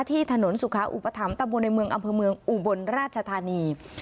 ที่ถนนสุขาอุปถัมภตะบนในเมืองอำเภอเมืองอุบลราชธานี